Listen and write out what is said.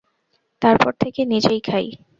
তার পর থেকে নিজেই খাই।